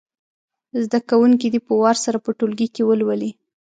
زده کوونکي دې په وار سره په ټولګي کې ولولي.